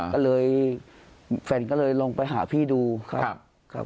ก็เลยแฟนก็เลยลงไปหาพี่ดูครับ